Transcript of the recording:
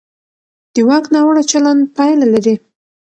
د واک ناوړه چلند پایله لري